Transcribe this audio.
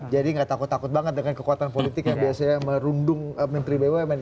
jadi gak takut takut banget dengan kekuatan politik yang biasanya merundung menteri bumn